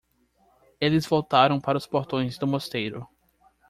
Eles voltaram para os portões do mosteiro.